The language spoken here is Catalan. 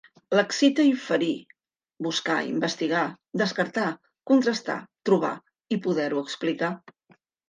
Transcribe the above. L'excita inferir, buscar, investigar, descartar, contrastar, trobar i poder-ho explicar.